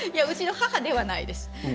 うちの母ではないです。